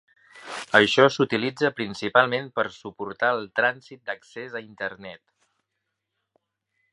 Això s'utilitza principalment per suportar el trànsit d'accés a Internet